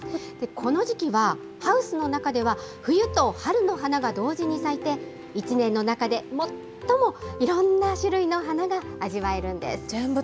この時期は、ハウスの中では、冬と春の花が同時に咲いて、１年の中で最もいろんな種類の花が味わえるんです。